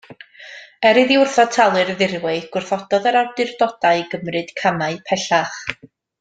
Er iddi wrthod talu'r ddirwy, gwrthododd yr awdurdodau gymryd camau pellach.